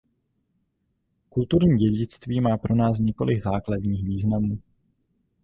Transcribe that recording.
Kulturní dědictví má pro nás několik základních významů.